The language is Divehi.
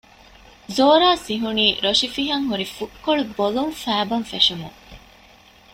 ޒޯރާ ސިހުނީ ރޮށިފިހަން ހުރި ފުށްކޮޅު ބޮލުން ފައިބަން ފެށުމުން